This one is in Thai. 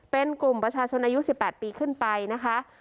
เป็นกลุ่มประชาชนอายุ๑๘ปีขึ้นไปนะคะ